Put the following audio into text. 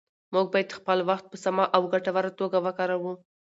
موږ باید خپل وخت په سمه او ګټوره توګه وکاروو